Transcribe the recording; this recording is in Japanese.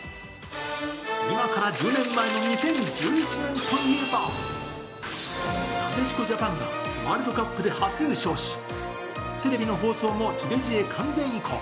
今から１０年前の２０１１年といえばなでしこジャパンがワールドカップで初優勝しテレビの放送も地デジへ完全移行。